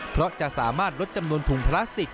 เพราะจะสามารถลดจำนวนถุงพลาสติก